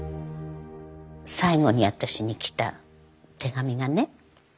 最後に私に来た手紙がね